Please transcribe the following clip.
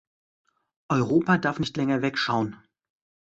Europa darf nicht länger wegschauen!